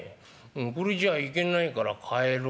これじゃ行けないから帰ろっと。